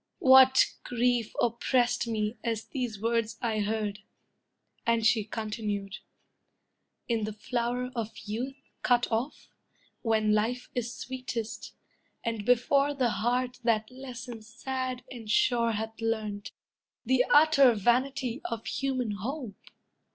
What grief oppressed me, as these words I heard! And she continued: "In the flower of youth Cut off, when life is sweetest, and before The heart that lesson sad and sure hath learnt, The utter vanity of human hope!